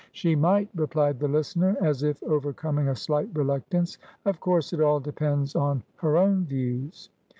"She might," replied the listener, as if overcoming a slight reluctance. "Of course it all depends on her own views."